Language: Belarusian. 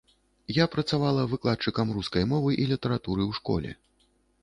Я працавала выкладчыкам рускай мовы і літаратуры ў школе.